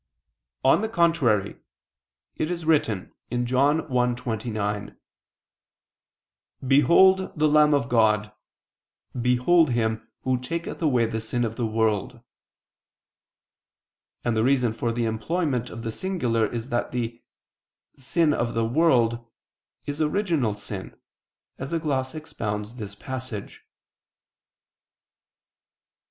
On the contrary, It is written (John 1:29): "Behold the Lamb of God, behold Him Who taketh away the sin of the world": and the reason for the employment of the singular is that the "sin of the world" is original sin, as a gloss expounds this passage.